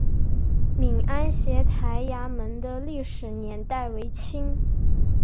闽安协台衙门的历史年代为清。